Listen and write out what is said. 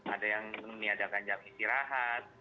ada yang meniadakan jam istirahat